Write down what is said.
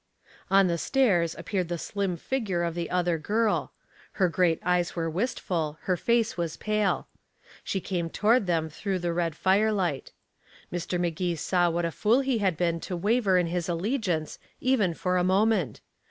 On the stairs appeared the slim figure of the other girl. Her great eyes were wistful, her face was pale. She came toward them through the red firelight. Mr. Magee saw what a fool he had been to waver in his allegiance even for a moment.